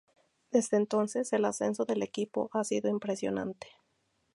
Desde entonces, el ascenso del equipo ha sido impresionante.